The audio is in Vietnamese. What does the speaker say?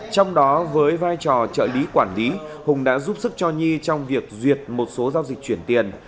trong đó với vai trò trợ lý quản lý hùng đã giúp sức cho nhi trong việc duyệt một số giao dịch chuyển tiền